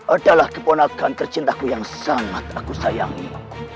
adalah keponakan tercintaku yang sangat aku sayangi